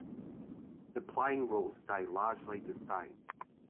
The playing rules stay largely the same.